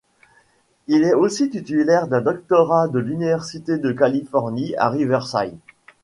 Il est aussi titulaire d'un doctorat de l'université de Californie à Riverside.